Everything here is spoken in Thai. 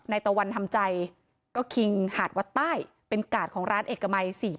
ตะวันทำใจก็คิงหาดวัดใต้เป็นกาดของร้านเอกมัย๔๐